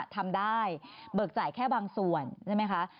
ทำได้เบิกจ่ายแค่บางส่วนใช่ไหมคะ